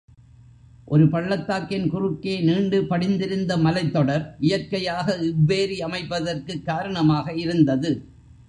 ஒரு பள்ளத்தாக்கின் குறுக்கே நீண்டு படிந்திருந்த மலைத் தொடர், இயற்கையாக இவ்வேரி அமைவதற்குக் காரணமாக இருந்தது.